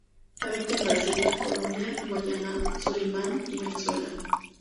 Habita en Brasil, Colombia, Guayana, Surinam y Venezuela.